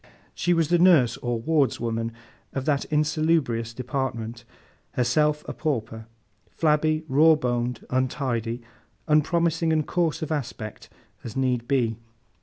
She was the nurse, or wardswoman, of that insalubrious department—herself a pauper—flabby, raw boned, untidy—unpromising and coarse of aspect as need be.